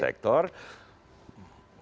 ada perusahaan yang mengatur berbagai sektor